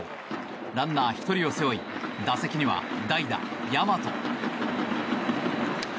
ランナー１人を背負い打席には代打、大和。